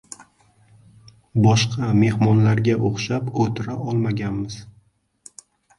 Boshqa mehmonlarga oʻxshab oʻtira olmaganmiz.